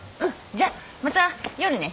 じゃあまた夜ね。